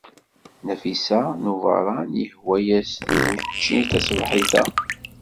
Nafisa n Ubeṛṛan yehwa-as-d wucci taṣebḥit-a.